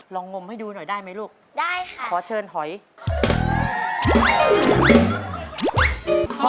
ลองงมให้ดูหน่อยได้ไหมลูกขอเชิญหอยได้ค่ะ